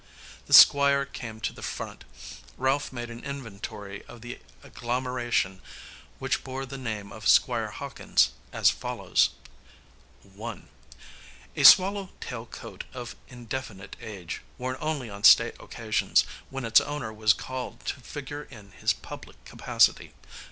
The Squire came to the front. Ralph made an inventory of the agglomeration which bore the name of Squire Hawkins, as follows: 1. A swallow tail coat of indefinite age, worn only on state occasions, when its owner was called to figure in his public capacity.